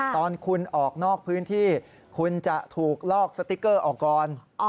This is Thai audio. ตอนคุณออกนอกพื้นที่คุณจะถูกลอกสติ๊กเกอร์ออกก่อน